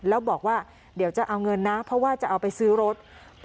แล้วบอกว่าเดี๋ยวจะเอาเงินนะเพราะว่าจะเอาไปซื้อรถ